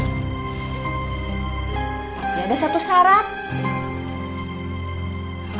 tapi ada satu syarat